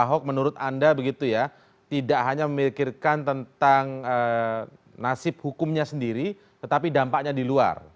pak ahok menurut anda begitu ya tidak hanya memikirkan tentang nasib hukumnya sendiri tetapi dampaknya di luar